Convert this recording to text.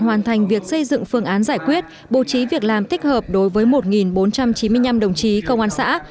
hoàn thành việc xây dựng phương án giải quyết bố trí việc làm thích hợp đối với một bốn trăm chín mươi năm đồng chí công an xã